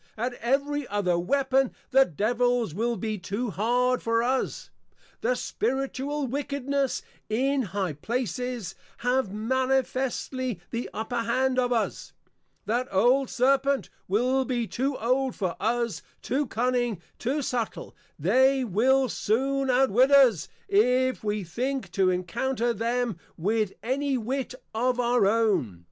At every other Weapon the Devils will be too hard for us; the Spiritual Wickednesses in High Places, have manifestly the Upper hand of us; that Old Serpent will be too old for us, too cunning, too subtil; they will soon out wit us, if we think to Encounter them with any Wit of our own.